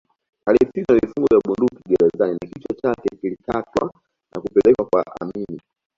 Alipigwa na vifungo vya bunduki gerezani na kichwa chake kilikatwa na kupelekwa kwa Amin